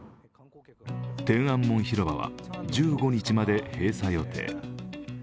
天安門広場は１５日まで閉鎖予定。